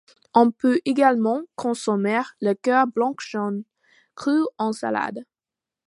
On peut également consommer le cœur blanc-jaune cru en salade.